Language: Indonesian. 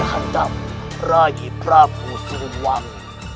ayah andam rai prabu sirunwangi